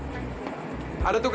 ada tugas baru buat kamu